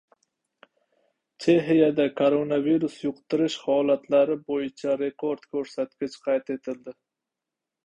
Chexiyada koronavirus yuqtirish holatlari bo‘yicha rekord ko‘rsatkich qayd etildi